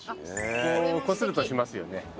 こうこするとしますよね。